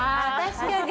確かに！